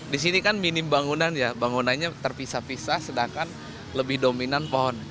di sini kan minim bangunan ya bangunannya terpisah pisah sedangkan lebih dominan pohon